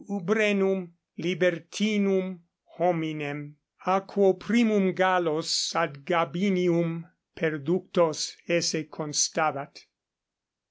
Umbrenum, libertinum hominem, a quo primum Gallos ad Gabinium perductos esse constabat.